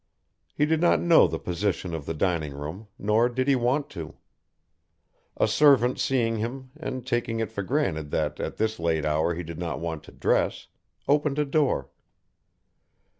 He did not know the position of the dining room, nor did he want to. A servant seeing him, and taking it for granted that at this late hour he did not want to dress, opened a door.